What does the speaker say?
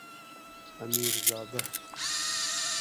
امیر زادہ